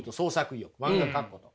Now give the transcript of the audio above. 漫画描くこと。